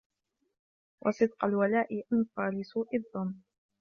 وَصِدْقَ الْوَلَاءِ أَنْفَى لِسُوءِ الظَّنِّ